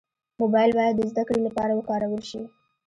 موبایل باید د زدهکړې لپاره وکارول شي.